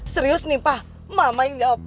serius nih pak mama ini jawab